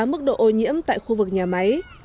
mức độ ô nhiễm tại khu vực nhà máy